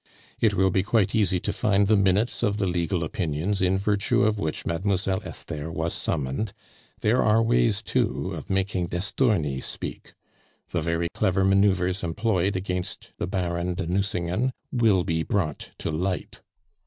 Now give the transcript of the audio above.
"It will be quite easy to find the minutes of the legal opinions in virtue of which Mademoiselle Esther was summoned; there are ways too of making d'Estourny speak. The very clever manoeuvres employed against the Baron de Nucingen will be brought to light.